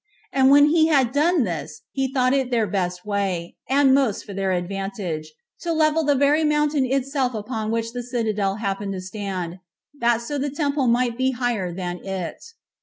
And when he had done this, he thought it their best way, and most for their advantage, to level the very mountain itself upon which the citadel happened to stand, that so the temple might be higher than it.